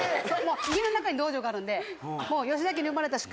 「家の中に道場があるんで」